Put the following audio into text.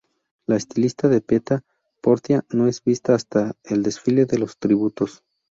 La estilista de Peeta, Portia, no es vista hasta el "Desfile de los Tributos".